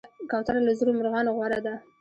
کوتره له زرو مرغانو غوره ده.